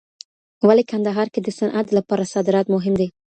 ولي کندهار کي د صنعت لپاره صادرات مهم دي؟